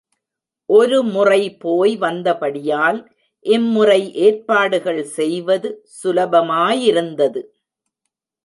ஒரு முறை போய் வந்தபடியால் இம்முறை ஏற்பாடுகள் செய்வது சுலபமாயிருந்தது.